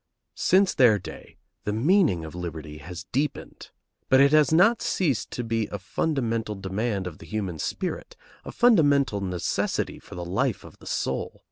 Since their day the meaning of liberty has deepened. But it has not ceased to be a fundamental demand of the human spirit, a fundamental necessity for the life of the soul.